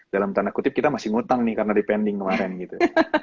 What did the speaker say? dalam tanda kutip kita masih ngutang nih karena dipending kemarin gitu